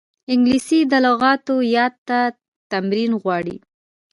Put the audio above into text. انګلیسي د لغاتو یاد ته تمرین غواړي